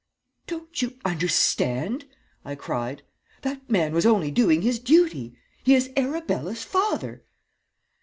"'Don't you understand!' I cried. 'That man was only doing his duty. He is Arabella's father!'